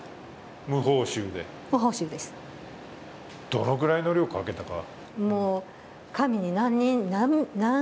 どのくらいの量をかけたか。